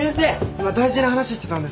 今大事な話してたんです。